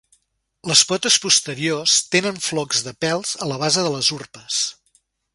Les potes posteriors tenen flocs de pèls a la base de les urpes.